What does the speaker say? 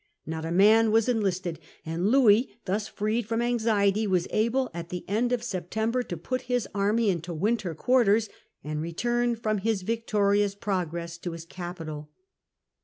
Not a man was enlisted, and Louis, thus freed from anxiety, was able at the end of September to put his army into winter quarters, and return from his victorious progress to his capital.